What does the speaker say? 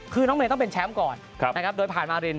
คือน้องเมย์ต้องเป็นแชมป์ก่อนนะครับโดยผ่านมาริน